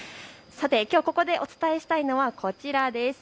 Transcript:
ここでお伝えしたいのはこちらです。